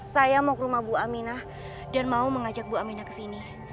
saya mau ke rumah bu aminah dan mau mengajak bu aminah ke sini